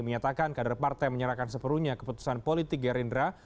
menyatakan kader partai menyerahkan seperunya keputusan politik gerindra